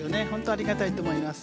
ありがたいと思います。